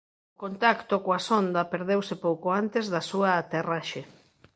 O contacto coa sonda perdeuse pouco antes da súa aterraxe.